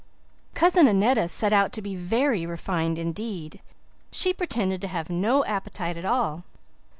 Cousin Annetta set out to be very refined indeed. She pretended to have no appetite at all.